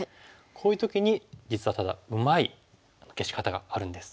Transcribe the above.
こういう時に実はうまい消し方があるんです。